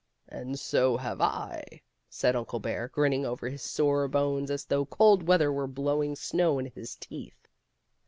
" And so have I," said Uncle Bear, grinning over his sore bones as though cold weather were blowing snow in his teeth.